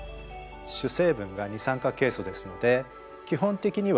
主成分が二酸化ケイ素ですので基本的には無色です。